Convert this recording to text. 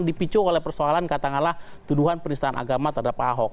dipicu oleh persoalan katakanlah tuduhan penistaan agama terhadap ahok